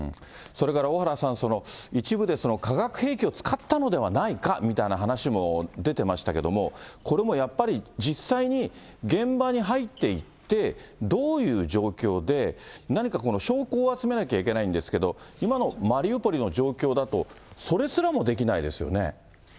それから小原さん、一部で化学兵器を使ったのではないかみたいな話も出てましたけども、これもやっぱり実際に現場に入っていって、どういう状況で、何か証拠を集めなきゃいけないんですけれども、今のマリウポリの状況だと、それすらもできないですよね。